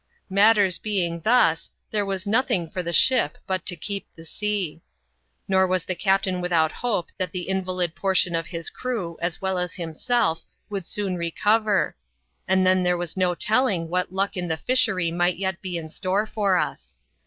Matters being thus, there was nothing for the ship but to keep the sea. Nor was the captain without hope that the inva Kd portion of his crew, as well as himself, would soon recover ; and then there was no telling what luck in the fishery might yet be in store for us.